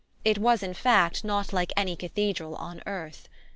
It was, in fact, not like any cathedral on earth.